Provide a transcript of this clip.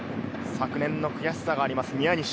昨年の悔しさがあります宮西。